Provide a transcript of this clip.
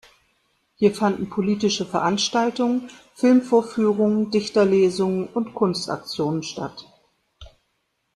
Hier fanden politische Veranstaltungen, Filmvorführungen, Dichterlesungen und Kunstaktionen statt.